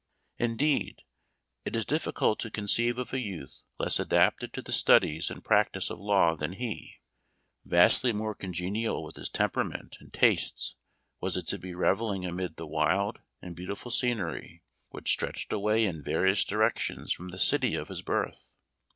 Indeed, it is difficult to conceive of a youth less adapted to the studies and practice of law than he. :.v more congenial with his temperament and tastes was it to be reveling amid the wild and beautiful scenery which stretched away in various directions from the city of his birth.